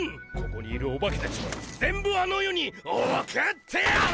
ここにいるオバケたちは全部あの世に送ってやる！